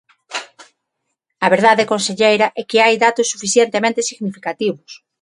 A verdade, conselleira, é que hai datos suficientemente significativos.